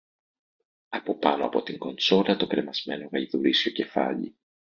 Από πάνω από την κονσόλα το κρεμασμένο γαϊδουρίσιο κεφάλι